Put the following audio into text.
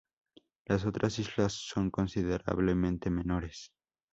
Las otras islas son considerablemente menores.